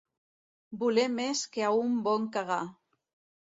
Voler més que a un bon cagar.